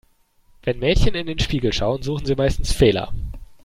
Wenn Mädchen in den Spiegel schauen, suchen sie meistens Fehler.